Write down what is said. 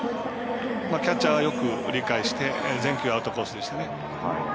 キャッチャーがよく理解して全球アウトコースでしたね。